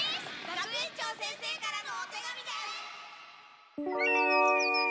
学園長先生からのお手紙です！